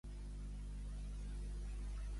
I la seva primera traducció publicada?